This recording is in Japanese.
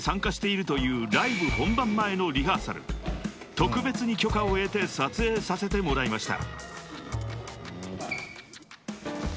［特別に許可を得て撮影させてもらいました］